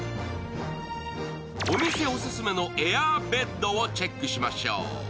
お店オススメのエアーベッドをチェックしましょう。